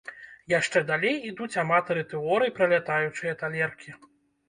Яшчэ далей ідуць аматары тэорый пра лятаючыя талеркі.